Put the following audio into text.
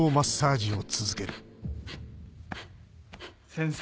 先生。